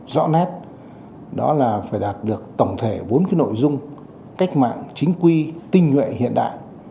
rõ nét đó là phải đạt được tổng thể bốn cái nội dung cách mạng chính quy tinh nhuệ hiện đại